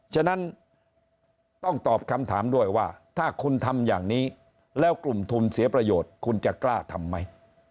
ฉะนั้นต้องตอบคำถามด้วยว่าถ้าคุณทำอย่างนี้แล้วกลุ่มทุนเสียประโยชน์คุณจะกล้าทำไหม